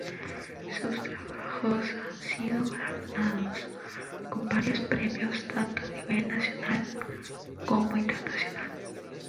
Sus trabajos han sido galardonados con varios premios tanto a nivel nacional como internacional.